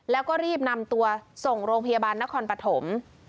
แล้วก็รีบนำตัวส่งโรงพยาบาลนครปฐม